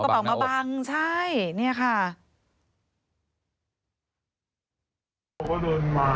ไว้เลยเหมือนแบบต้องรักกระเป๋านักเรียนให้มากเพราะเสื้อมันบาง